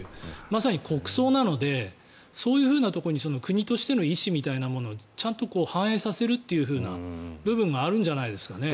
まさに国葬なのでそういうところに国としての意思みたいなものをちゃんと反映させる部分があるんじゃないですかね。